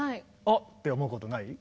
あっ！って思うことない？